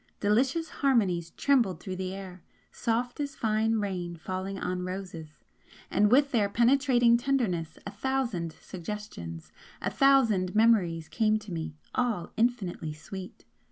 Delicious harmonies trembled through the air, soft as fine rain falling on roses, and with their penetrating tenderness a thousand suggestions, a thousand memories came to me, all infinitely sweet.